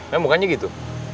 ya bukannya gitu